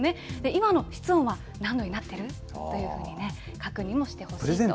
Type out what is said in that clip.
今の室温は何度になってる？というふうにね、確認もしてほしいと。